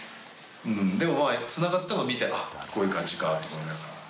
でもつながったの見てあこういう感じかと思いながら。